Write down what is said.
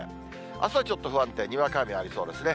あすはちょっと不安定、にわか雨ありそうですね。